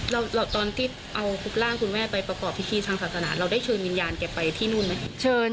แล้วตอนที่เอาร่างคุณแม่ไปประกอบพิธีทางศาสนาเราได้เชิญวิญญาณแกไปที่นู่นไหมเชิญ